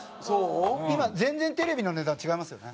今全然テレビの値段違いますよね。